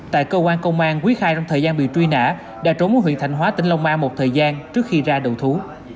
tại cơ quan công an quý khai trong thời gian bị truy nã đã trốn ở huyện thạnh hóa tỉnh long an một thời gian trước khi ra đầu thú